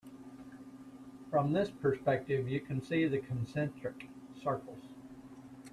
From this perspective you can see the concentric circles.